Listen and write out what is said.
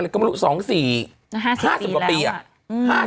๕๐กว่าปีอะ